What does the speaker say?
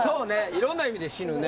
いろんな意味で死ぬね。